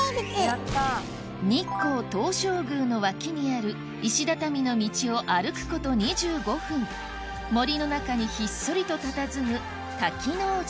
日光東照宮の脇にある石畳の道を歩くこと２５分森の中にひっそりとたたずむ